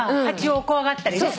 蜂を怖がったりね。